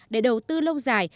để đầu tư lâu dài